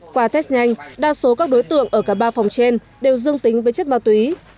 qua test nhanh đa số các đối tượng ở cả ba phòng trên đều dương tính với chất ma túy